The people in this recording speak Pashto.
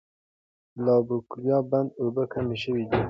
د لابوکویلا بند اوبه کمې شوي دي.